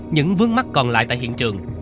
những vướng mắt còn lại tại hiện trường